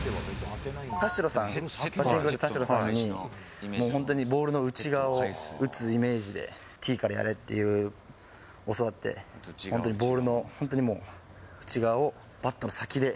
田代さん、ヘッドコーチの田代さんに、もう本当に、ボールの内側を打つイメージで、ティーからやれって教わって、本当に、ボールの本当にもう、内側をバットの先で。